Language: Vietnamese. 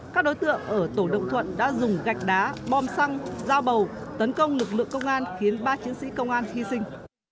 các đối tượng ở tổ đồng thuận đã dùng gạch đá bom xăng dao bầu tấn công lực lượng công an khiến ba chiến sĩ công an hy sinh